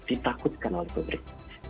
ditakutkan oleh publik